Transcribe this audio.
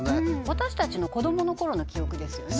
私たちの子どもの頃の記憶ですよね